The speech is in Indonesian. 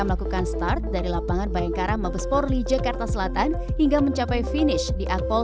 melakukan start dari lapangan bayangkara mabesporli jakarta selatan hingga mencapai finish di akpol